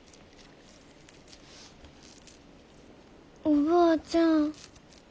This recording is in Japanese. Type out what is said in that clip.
おばあちゃん。